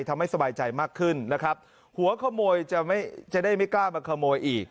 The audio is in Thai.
ทำให้สบายใจมากขึ้นนะครับหัวขโมยจะไม่จะได้ไม่กล้ามาขโมยอีก